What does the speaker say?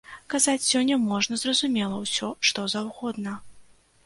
Казаць сёння можна, зразумела, усё што заўгодна.